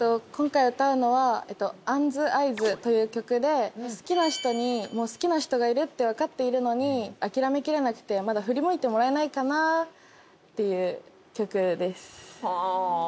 今回歌うのは『あんずあいず』という曲で好きな人に好きな人がいるってわかっているのにあきらめきれなくてまだ振り向いてもらえないかなぁっていう曲です。